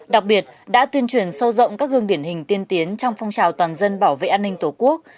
đặc biệt đã tuyên truyền sâu rộng các gương điển hình tiên tiến trong phong trào toàn dân bảo vệ an ninh tổ quốc